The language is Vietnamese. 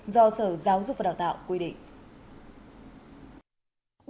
do sở giáo dục và đào tạo quy định